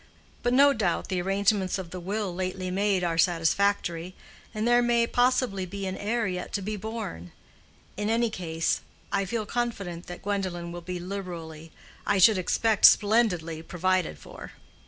But no doubt the arrangements of the will lately made are satisfactory, and there may possibly be an heir yet to be born. In any case, I feel confident that Gwendolen will be liberally—I should expect, splendidly—provided for."